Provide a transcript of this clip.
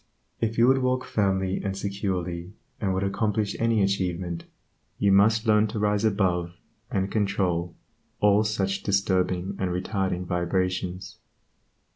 If you would walk firmly and securely, and would accomplish any achievement, you must learn to rise above and control all such disturbing and retarding vibrations.